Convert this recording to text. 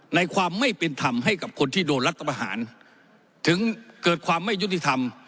ในความไม่เป็นธรรมให้กับคนที่โดนรัฐประหารถึงเกิดความไม่ยุติธรรม